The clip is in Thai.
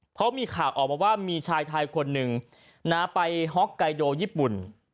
เพราะมีข่าวออกมาว่ามีชายไทยคนหนึ่งไปฮอกไกโดญี่ปุ่น